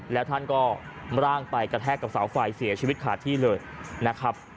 แล้วท่านก็ร่างไปกระแทกกับเสาไฟเสียชีวิตขาดที่เลยนะครับ